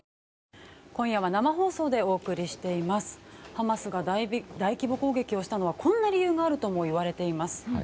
ハマスが大規模攻撃をしたのはこんな理由があるともいわれています。